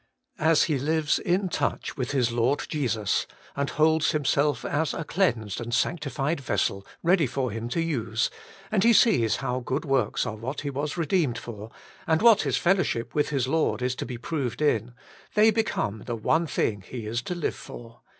As he lives in touch with his Lord Jesus, and holds him self as a cleansed and sanctified vessel, ready for Him to use, and he sees how good works are what he was redeemed for, and what his fellowship with his Lord is to be proved in, they become the one thing he is to live for.